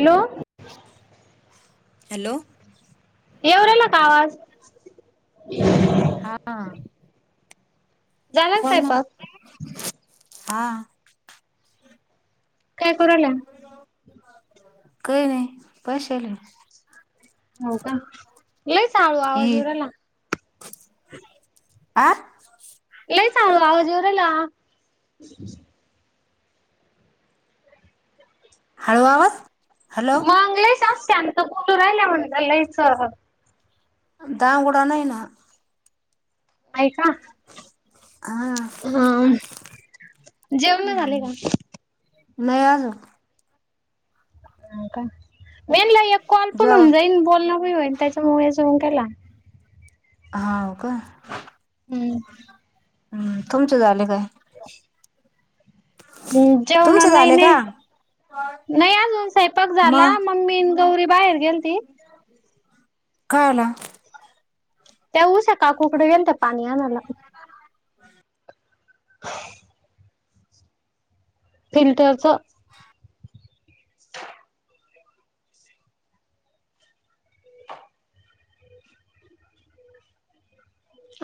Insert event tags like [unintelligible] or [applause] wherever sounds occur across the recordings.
Hello hello येवू राहीला का आवाज? हा झाला का हो ना. स्वयंपाक हा काय कराला काय नाही बसेलये हो का लईच हळू आवाज येऊ राहिला.. आं लइच आवाज हळू येऊ राहिला? हळू आवाज हॅलो मंगलेश शांत तू राहिला म्हणून लईच..... दा उघड नाय ना. [unintelligible] हा हा जेवण झाले का? नाही अजून, नाव काय? मेन ला एक कॉल पण जेव होऊन जाईल बोलण पण होईल त्याच्यामुळे हे सगळं तेला. हाव का हम्म [inaudible] हम् तुमच झालं काय [inaudible] ह जेवणा तुमचे नाही, झाले नाही, का नाही अजून स्वयंपाक झाला. मग मी मी आणि गौरी बाहेर गेलती. [inaudible] त्या ऊसात. काकू कड गेलत्या पाणी आणायला. [unintelligible] फिल्टरच. [unintelligible]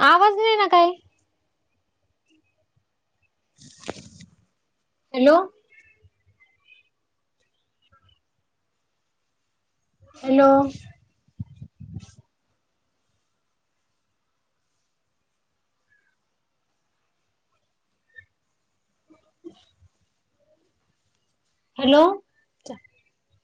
आवाज नाय ना काय हॅलो हॅलो [unintelligible] हॅलो